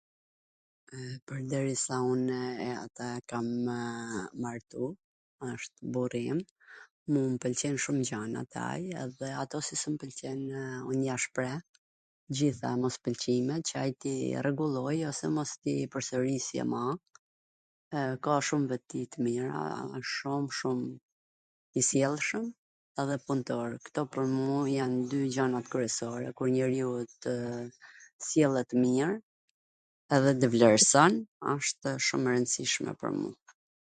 Pwrderisa unw ata e kam martu, wsht burri im, mu m pwlqen shum gjana te ai, edhe ato qw s mw pwlqejn un ja shpreh, t gjitha mospwlqimet qw ai t i rregulloj ose tw mos i pwrserisi ma, ka shum veti t mira, wsht shum shum i sjellshwm, edhe puntor, kto pwr mua jan dy gjanat kryesore, kur njeriu tw sillet mir edhe tw vlerson, wsht shum e rwndsishme pwr mu.